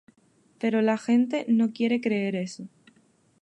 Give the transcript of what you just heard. Pero la gente no quiere creer eso.